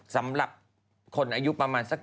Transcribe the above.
สำหรับคนอายุประมาณสัก